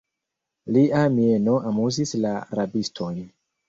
Lia mieno amuzis la rabistojn.